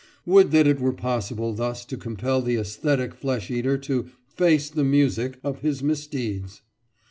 Would that it were possible thus to compel the æsthetic flesh eater to "face the music" of his misdeeds!